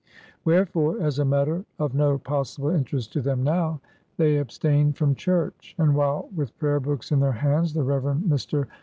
Wherefore, as a matter of no possible interest to them now, they abstained from church; and while with prayer books in their hands the Rev. Mr.